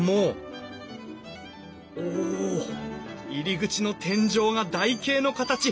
おお入り口の天井が台形の形。